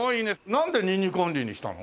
なんでニンニクオンリーにしたの？